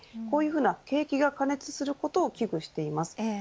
こういうふうな、景気が過熱することを危惧しています。